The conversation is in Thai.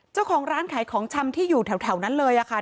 เจ้าของร้านขายของชำที่อยู่แถวนั้นเลยค่ะ